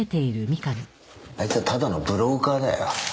あいつはただのブローカーだよ。